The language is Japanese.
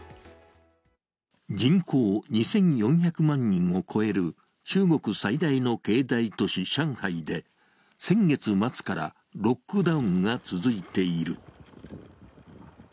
人口２４００万人を超える中国最大の経済都市、上海で先月末からロックダウンが続いている。